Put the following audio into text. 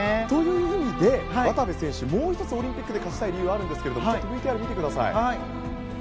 という意味で渡部選手もう１つオリンピックで勝ちたい理由があるんですがＶＴＲを見てください。